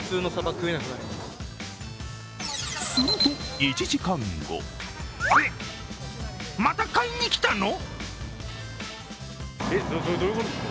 すると１時間後えっ、また買いに来たの？